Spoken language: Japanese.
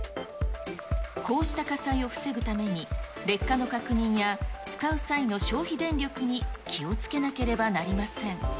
こうした火災を防ぐために、劣化の確認や使う際の消費電力に気をつけなければなりません。